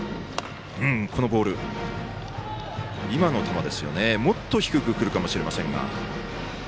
今の球ですよね、もっと低くくるかもしれませんが。